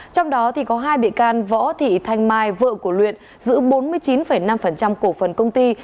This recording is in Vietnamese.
trong đó có hai bị can võ thị thanh mai vợ của luyện giữ bốn mươi chín năm cổ phần công ty